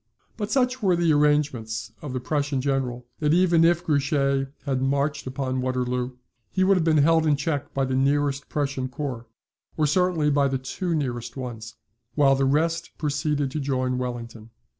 But such were the arrangements of the Prussian General, that even if Grouchy had marched upon Waterloo, he would have been held in check by the nearest Prussian corps, or certainly by the two nearest ones, while the rest proceeded to join Wellington.